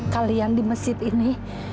kalian di masjid ini